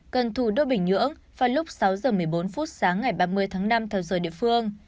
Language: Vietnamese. gần thủ đô bình nhưỡng vào lúc sáu h một mươi bốn phút sáng ngày ba mươi tháng năm theo giờ địa phương